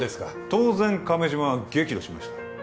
当然亀島は激怒しました